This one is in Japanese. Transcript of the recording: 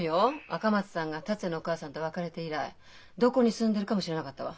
赤松さんが達也のお母さんと別れて以来どこに住んでるかも知らなかったわ。